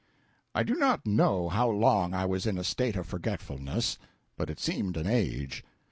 I do not know how long I was in a state of forgetfulness, but it seemed an age.